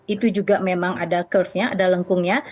itu juga memang ada kerfnya ada lengkungnya